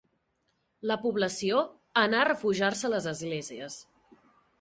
La població anà a refugiar-se a les esglésies.